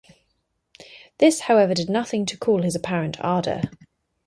This, however, did nothing to cool his apparent ardour.